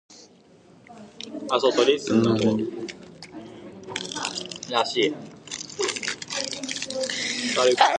These orders benefited the Christian awareness among the common populations through their preaching.